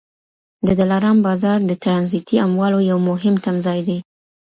د دلارام بازار د ټرانزیټي اموالو یو مهم تمځای دی.